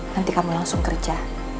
nanti kamu langsung kerja